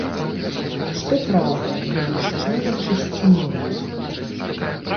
Што праўда, не блішчэла чысцінёй.